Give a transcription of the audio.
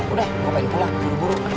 udah gua pengen pulang